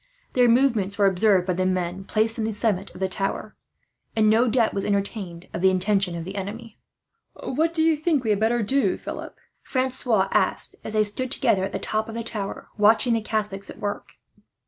Their movements were observed by the men placed on the summit of the tower, and no doubt was entertained of the intentions of the enemy. "What do you think we had better do, Philip?" Francois asked, as they stood together at the top of the tower, watching the Catholics at work.